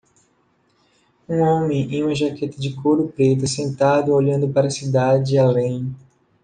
Um homem em uma jaqueta de couro preta sentado olhando para a cidade além.